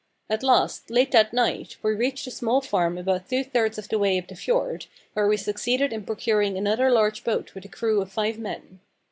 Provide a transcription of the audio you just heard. At last, late that night, we reached a small farm about two thirds of the way up the fjord, where we succeeded in procuring another large boat with a crew of five men.